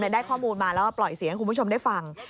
ได้ข้อมูลมาแล้วก็ปล่อยเสียงให้คุณผู้ชมได้ฟัง